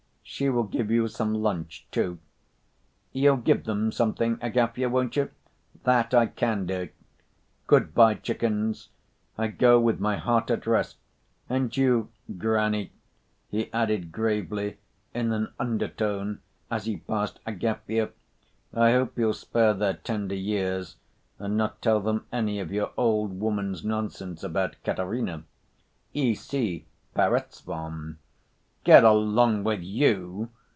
She will give you some lunch, too. You'll give them something, Agafya, won't you?" "That I can do." "Good‐by, chickens, I go with my heart at rest. And you, granny," he added gravely, in an undertone, as he passed Agafya, "I hope you'll spare their tender years and not tell them any of your old woman's nonsense about Katerina. Ici, Perezvon!" "Get along with you!"